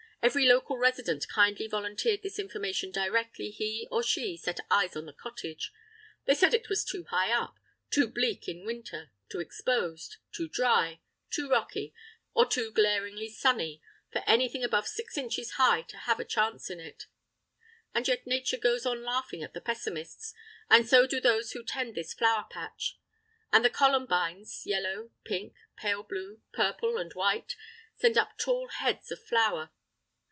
Every local resident kindly volunteered this information directly he or she set eyes on the cottage; they said it was too high up, too bleak in winter, too exposed, too dry, too rocky, or too glaringly sunny—for anything above six inches high to have a chance in it. And yet Nature goes on laughing at the pessimists, and so do those who tend this flower patch. And the columbines, yellow, pink, pale blue, purple, and white, send up tall heads of flower.